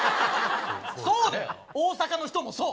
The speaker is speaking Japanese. そうだよ大阪の人もそう。